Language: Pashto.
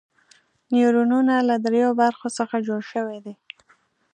نیورونونه له دریو برخو څخه جوړ شوي دي.